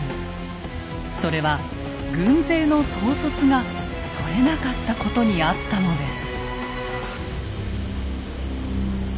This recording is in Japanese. それは軍勢の統率がとれなかったことにあったのです。